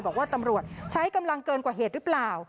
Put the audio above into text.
บอกว่าตำรวจใช้กำลังเกินกว่าเหตุหรือเปล่า